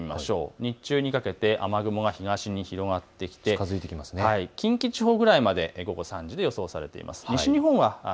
日中にかけて雨雲が東に広がってきて近畿地方くらいまで、午後３時、予想されています。